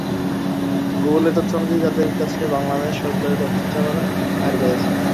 গুগলের তথ্য অনুযায়ী, তাদের কাছে বাংলাদেশ সরকারের তথ্য চাওয়ার হার বেড়েছে।